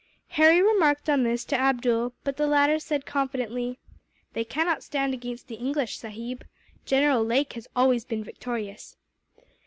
Harry remarked on this to Abdool, but the latter said, confidently: "They cannot stand against the English, sahib. General Lake has always been victorious."